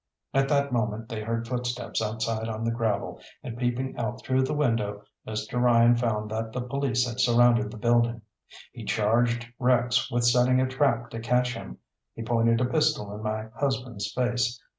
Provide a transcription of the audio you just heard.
"At that moment they heard footsteps outside on the gravel, and peeping out through the window, Mr. Ryan found that the police had surrounded the building. He charged Rex with setting a trap to catch him: he pointed a pistol in my husband's face.